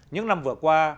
những năm vừa qua